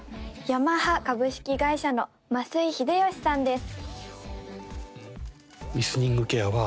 ヤマハ株式会社の増井英喜さんです